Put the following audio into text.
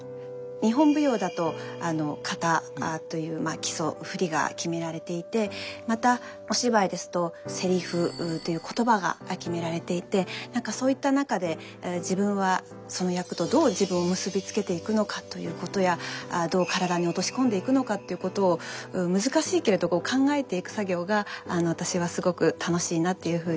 日本舞踊だと型という基礎振りが決められていてまたお芝居ですとセリフという言葉が決められていて何かそういった中で自分はその役とどう自分を結びつけていくのかということやどう体に落とし込んでいくのかっていうことを難しいけれど考えていく作業が私はすごく楽しいなっていうふうに感じます。